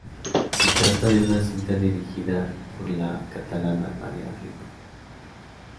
Se trata de una cinta dirigida por la catalana Maria Ripoll.